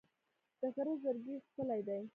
د غره زرکې ښکلې دي